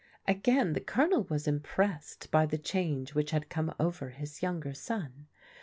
Again the Colonel was impressed by the change which had come over his younger son.